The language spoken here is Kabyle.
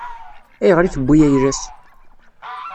Ayɣer i tewwi ayla-s?